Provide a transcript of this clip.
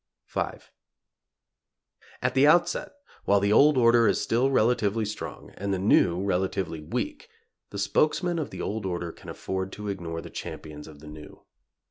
V. At the outset, while the old order is still relatively strong, and the new relatively weak, the spokesmen of the old order can afford to ignore the champions of the new.